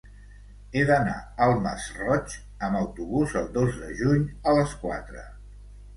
He d'anar al Masroig amb autobús el dos de juny a les quatre.